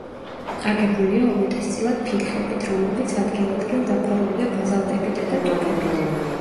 აგებულია უმეტესწილად ფიქლებით, რომლებიც ადგილ-ადგილ დაფარულია ბაზალტებითა და ტუფებით.